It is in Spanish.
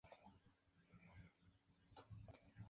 Está afiliada a la Federación Internacional de Motociclismo.